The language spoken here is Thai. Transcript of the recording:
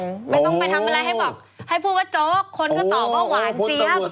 ไม่ต้องไปทำอะไรให้บอกให้พูดว่าโจ๊กคนก็ตอบว่าหวานเจี๊ยบ